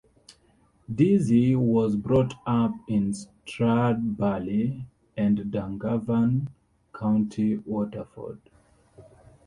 Deasy was brought up in Stradbally and Dungarvan, County Waterford.